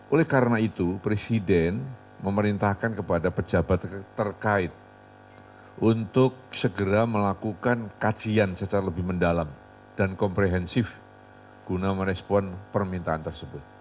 oleh karena itu presiden memerintahkan kepada pejabat terkait untuk segera melakukan kajian secara lebih mendalam dan komprehensif guna merespon permintaan tersebut